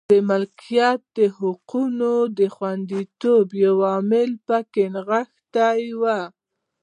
د ملکیت حقونو د خوندیتوب یو لامل په کې نغښتې وې.